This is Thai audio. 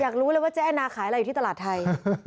อยากรู้เลยว่าเจ๊แอนาขายอะไรอยู่ที่ตลาดไทย